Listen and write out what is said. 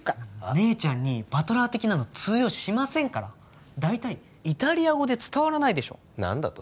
姉ちゃんにバトラー的なの通用しませんから大体イタリア語で伝わらないでしょ何だと？